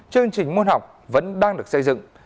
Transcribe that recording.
chương trình môn học vẫn đang được xây dựng